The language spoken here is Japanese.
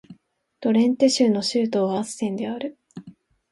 ドレンテ州の州都はアッセンである